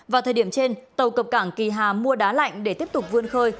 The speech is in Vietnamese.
vào thời điểm trên tàu cập cảng kỳ hà mua đá lạnh để tiếp tục vươn khơi